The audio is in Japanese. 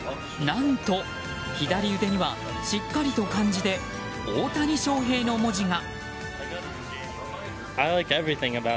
何と、左腕にはしっかりと漢字で「大谷翔平」の文字が。